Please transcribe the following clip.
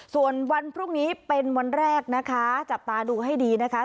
ส่วนวันพรุ่งนี้เป็นวันแรกนะคะจับตาดูให้ดีนะคะ